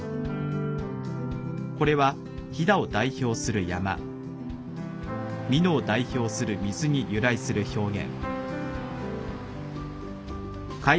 これは飛騨を代表する山、美濃を代表する水に由来する表現。